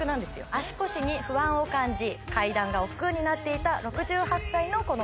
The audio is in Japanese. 足腰に不安を感じ階段がおっくうになっていた６８歳のこの方